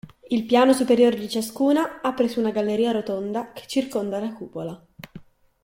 Il piano superiore di ciascuna apre su una galleria rotonda che circonda la cupola.